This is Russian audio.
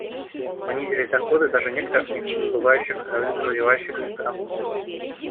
Понизились доходы даже некоторых нефтедобывающих развивающихся стран.